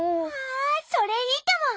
あそれいいかも！